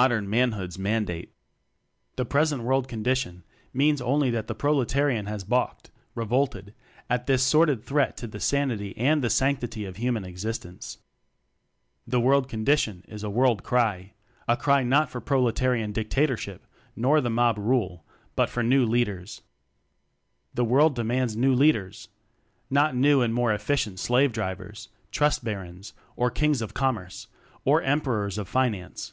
Modern Manhood's Mandate. The present "World condition" means only that the proletariat has balked, revolted, at this sordid threat to the sanity and the sanctity of Human existence. The "World condition" is a World Cry! a cry not for Proletarian Dic tatorship, nor for Mob Rule, but for new Leaders. The World demands new Leaders! Not new and more "efficient" slave drivers Trust Barons, or Kings of Commerce, or Emperors of Finance.